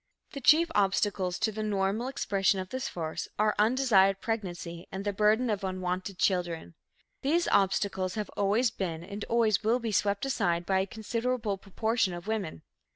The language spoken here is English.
The chief obstacles to the normal expression of this force are undesired pregnancy and the burden of unwanted children. These obstacles have always been and always will be swept aside by a considerable proportion of women.